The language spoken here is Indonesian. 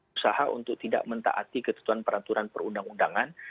usaha untuk tidak mentaati ketentuan peraturan perundang undangan